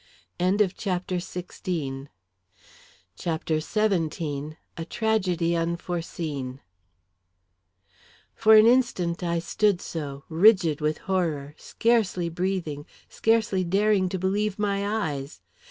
CHAPTER XVII A Tragedy Unforeseen For an instant I stood so, rigid with horror, scarcely breathing, scarcely daring to believe my eyes.